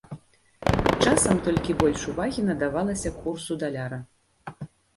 Часам толькі больш увагі надавалася курсу даляра.